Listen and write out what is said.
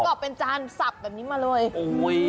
ผู้กรอบเป็นจานสับแบบนี้มาเลย